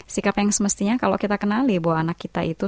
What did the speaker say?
sikap yang semestinya kalau kita kenali bahwa anak kita itu